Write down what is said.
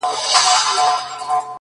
او د خپل زړه په تصور كي مي؛